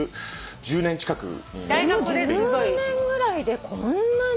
１０年ぐらいでこんなに。